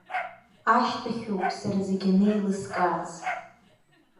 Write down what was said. Ашьҭахьоуп сара зегьы анеилыскааз.